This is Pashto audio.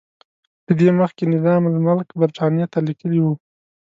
له دې مخکې نظام الملک برټانیې ته لیکلي وو.